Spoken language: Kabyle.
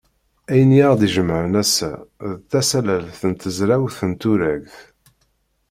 Ayen i aɣ-d-ijemɛen ass-a, d tasalalt n tezrawt n turagt.